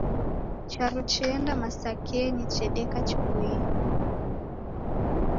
Charo cheenda masakenyi chedeka chipoiye.